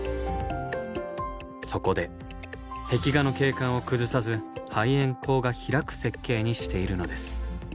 そこで壁画の景観を崩さず排煙口が開く設計にしているのです。